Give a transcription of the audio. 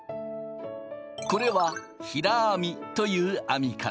これは平編みという編み方。